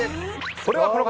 それはこの方。